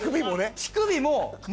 乳首もね。